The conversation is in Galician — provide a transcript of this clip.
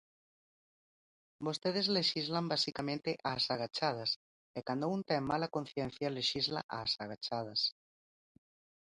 Vostedes lexislan basicamente ás agachadas, e cando un ten mala conciencia lexisla ás agachadas.